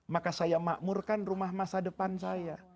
maka saya makmurkan rumah masa depan saya